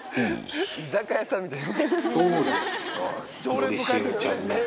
居酒屋さんみたい。